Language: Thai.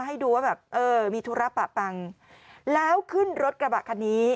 ให้ดูว่าแบบเออมีธุระปะปังแล้วขึ้นรถกระบะคันนี้